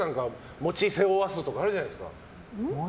餅を背負わすとかあるじゃないですか。